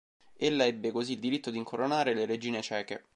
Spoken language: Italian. Ella ebbe così il diritto di incoronare le regine ceche.